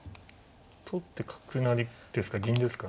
取って角成ですか銀ですか。